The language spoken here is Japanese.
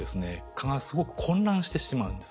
蚊がすごく混乱してしまうんです。